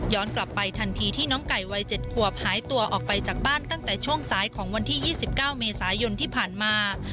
กลับไปทันทีที่น้องไก่วัย๗ขวบหายตัวออกไปจากบ้านตั้งแต่ช่วงสายของวันที่๒๙เมษายนที่ผ่านมา